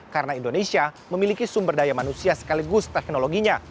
karena indonesia memiliki sumber daya manusia sekaligus teknologinya